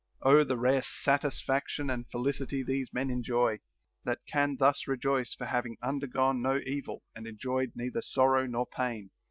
Oh the rare satisfaction and felicity these men enjoy, that can thus rejoice for hav ing undergone no evil and endured neither sorrow nor pain!